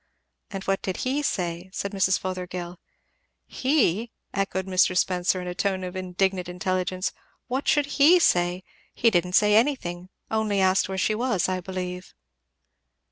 '" "And what did he say?" said Mrs. Fothergill. "He!" echoed Mr. Spenser in a tone of indignant intelligence, "what should he say? He didn't say anything; only asked where she was, I believe."